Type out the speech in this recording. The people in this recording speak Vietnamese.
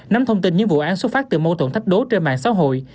nắm thông tin những vụ án xuất phát từ mâu thuẫn thách đố trên mạng xã hội